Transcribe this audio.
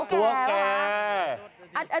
ตัวแก่